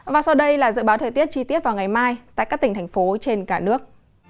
và sau đây là dự báo thời tiết chi tiết vào ngày mai tại các tỉnh thành phố trên cả nước